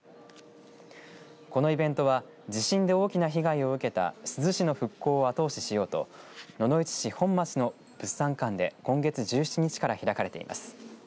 このイベントは地震で大きな被害を受けた珠洲市の復興を後押ししようと野々市市本町の物産館で今月１７日から開かれています。